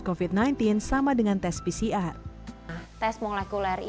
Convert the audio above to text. covid sembilan belas sama dengan tes pcr tes molekuler ini mengidentifikasi kehadiran dari materi